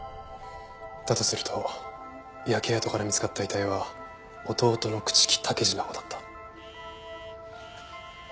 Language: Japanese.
だとすると焼け跡から見つかった遺体は弟の朽木武二のほうだった。